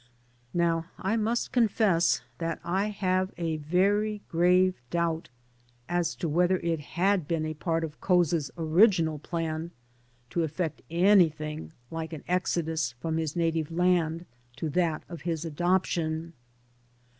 Now I must confess that I have a very grave doubt as to whether it had been a part of Couza's original plan to effect anything like an exodus from his native land to that of his adoption.